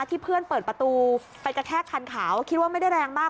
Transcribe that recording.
เพื่อนเปิดประตูไปกระแทกคันขาวคิดว่าไม่ได้แรงมาก